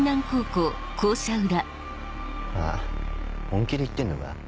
本気で言ってんのか？